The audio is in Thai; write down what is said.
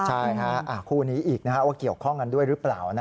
ใช่คู่นี้อีกว่าเกี่ยวข้องกันด้วยหรือเปล่า